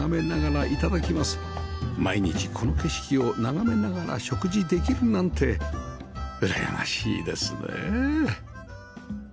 毎日この景色を眺めながら食事できるなんてうらやましいですね